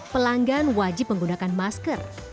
pelanggan wajib menggunakan masker